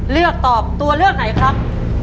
เลือกตอบตัวเลือกไหนครับ